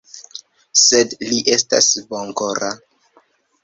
Sed li estas bonkora.